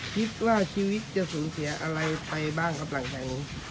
คิดว่าชีวิตจะสูญเสียอะไรไปบ้างครับหลังจากนี้